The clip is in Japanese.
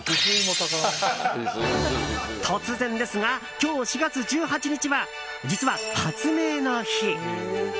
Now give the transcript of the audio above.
突然ですが、今日４月１８日は実は、発明の日。